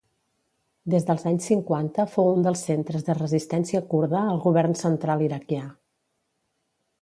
Des dels anys cinquanta fou un dels centres de resistència kurda al govern central iraquià.